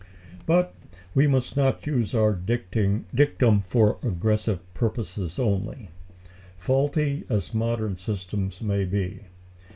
But we must not use our dictum for aggressive purposes merely, faulty as modern systems may be.